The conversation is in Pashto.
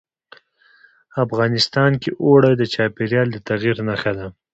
افغانستان کې اوړي د چاپېریال د تغیر نښه ده.